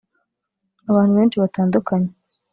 abantu benshi batandukanye